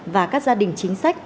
và các gia đình chính sách